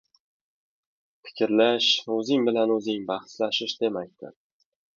• Fikrlash — o‘zing bilan o‘zing bahslashish demakdir.